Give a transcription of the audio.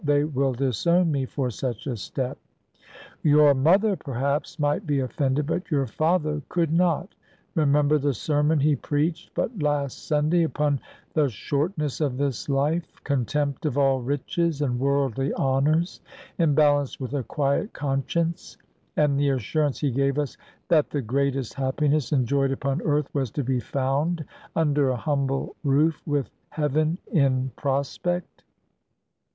They would disown me for such a step." "Your mother, perhaps, might be offended, but your father could not. Remember the sermon he preached but last Sunday, upon the shortness of this life contempt of all riches and worldly honours in balance with a quiet conscience; and the assurance he gave us, that the greatest happiness enjoyed upon earth was to be found under a humble roof, with heaven in prospect."